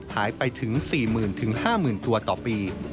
หายไปถึง๔๐๐๐๕๐๐๐ตัวต่อปี